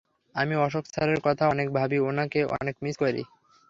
আমি অশোক স্যারের কথা অনেক ভাবি, উনাকে অনেক মিস করি।